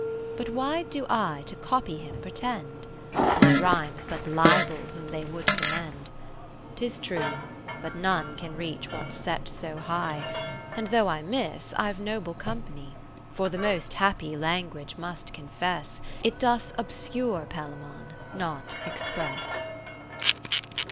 But why do I to copy him pretend ? My rhymes but libel whom they would commend. 'Tis true ; but none can reach what's set so high ; And though I miss, Fve noble company : For the most happy language must confess. It doth obscure Palaemon, not express.